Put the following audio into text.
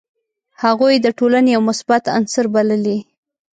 هغوی یې د ټولني یو مثبت عنصر بللي.